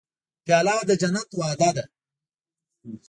پیاله د جنت وعده ده.